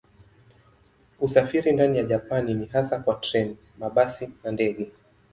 Usafiri ndani ya Japani ni hasa kwa treni, mabasi na ndege.